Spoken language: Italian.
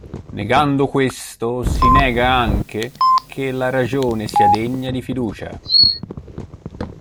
Negando questo si nega anche che la ragione sia degna di fiducia.